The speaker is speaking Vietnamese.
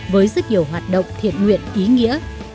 với rất nhiều hoạt động thiện nguyện ý nghĩa